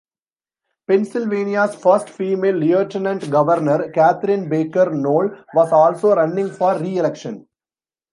Pennsylvania's first female Lieutenant Governor, Catherine Baker Knoll was also running for re-election.